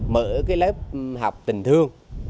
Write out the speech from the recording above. mở cái lớp học tình thương